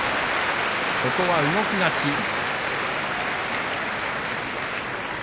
ここは動き勝ち。